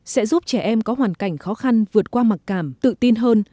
sẽ giúp trẻ em có hoàn cảnh khó khăn vượt qua mặc cảm tự tin hơn